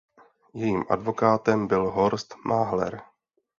Jejím advokátem byl Horst Mahler.